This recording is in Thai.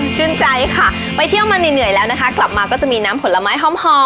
ใจค่ะไปเที่ยวมาเหนื่อยแล้วนะคะกลับมาก็จะมีน้ำผลไม้หอม